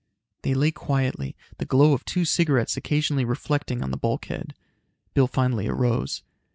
They lay quietly, the glow of two cigarettes occasionally reflecting on the bulkhead. Bill finally arose.